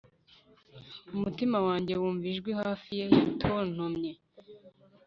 umutima wanjye wumva ijwi hafi ye yatontomye